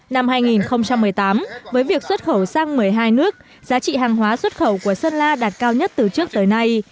năm hai nghìn một mươi tám với việc xuất khẩu sang một mươi hai nước giá trị hàng hóa xuất khẩu của sơn la đạt cao nhất từ trước tới nay